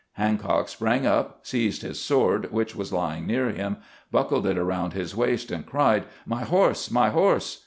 Hancock sprang up, seized his sword, which was lying near him, buckled it around his waist, and cried :" My horse ! my horse